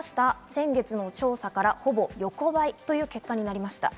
先月の調査からほぼ横ばいという結果になりました。